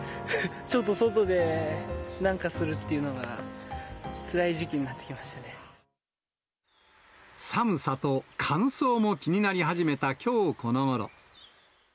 ちょっと外でなんかするっていうのが、寒さと乾燥も気になり始めたきょうこのごろ。